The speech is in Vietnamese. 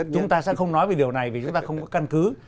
chúng ta sẽ không nói về điều này vì chúng ta không có căn cứ